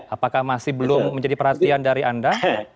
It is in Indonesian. apakah masih belum menjadi perhatian dari anda